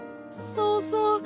そうそう！